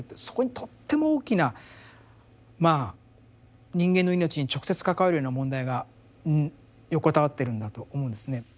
そこにとっても大きな人間の「いのち」に直接関わるような問題が横たわってるんだと思うんですね。